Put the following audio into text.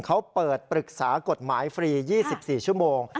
เขาเปิดปรึกษากฎหมายฟรี๒๔ชั่วโมง